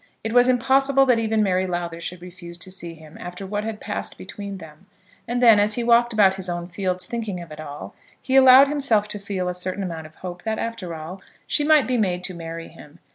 It was impossible that even Mary Lowther should refuse to see him after what had passed between them. And then, as he walked about his own fields, thinking of it all, he allowed himself to feel a certain amount of hope that after all she might be made to marry him.